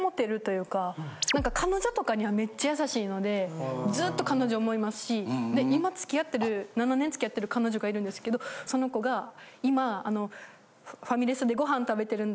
なんか彼女とかにはめっちゃ優しいのでずっと彼女もいますし今付き合ってる７年付き合ってる彼女がいるんですけどその子が今。